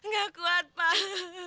gak kuat pak